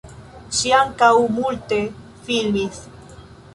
Ŝi ankaŭ multe filmis.